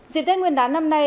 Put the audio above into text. dịp tết nguyên đán năm nay